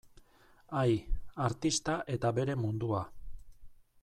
Ai, artista eta bere mundua.